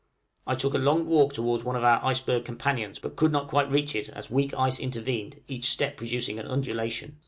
I took a long walk towards one of our iceberg companions, but could not quite reach it, as weak ice intervened, each step producing an undulation.